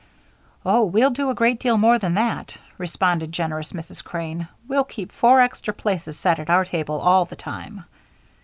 "Oh, we'll do a great deal more than that," responded generous Mrs. Crane. "We'll keep four extra places set at our table all the time."